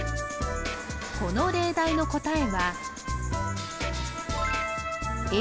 この例題の答えはえ